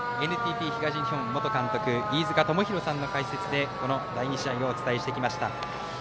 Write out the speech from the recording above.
ＮＴＴ東日本元監督飯塚智広さんの解説でこの第２試合をお伝えしてきました。